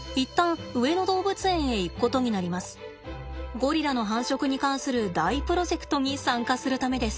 ゴリラの繁殖に関する大プロジェクトに参加するためです。